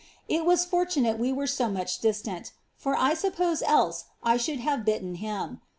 It wm formnato we were fo much distant; for 1 sup ]K>«e else I should have bitten him.